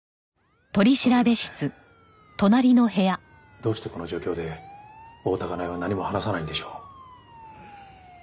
どうしてこの状況で大多香苗は何も話さないんでしょう？